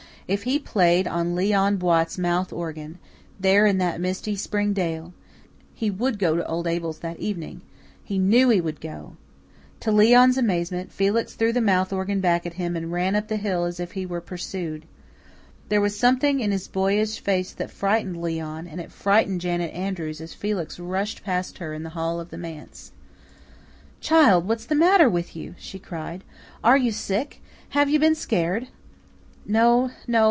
If he played on Leon Buote's mouth organ, there in that misty spring dale, he would go to old Abel's that evening; he KNEW he would go. To Leon's amazement, Felix threw the mouth organ back at him and ran up the hill as if he were pursued. There was something in his boyish face that frightened Leon; and it frightened Janet Andrews as Felix rushed past her in the hall of the manse. "Child, what's the matter with you?" she cried. "Are you sick? Have you been scared?" "No, no.